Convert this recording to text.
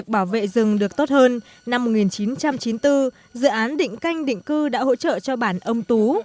bảo vệ rừng được tốt hơn năm một nghìn chín trăm chín mươi bốn dự án định canh định cư đã hỗ trợ cho bản âm tú